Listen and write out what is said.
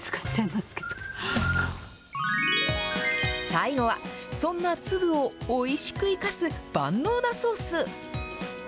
最後は、そんな粒をおいしく生かす、万能なソース。